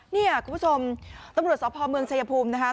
เนี่ยคุณผู้ชมตำรวจสพเมืองชายภูมินะคะ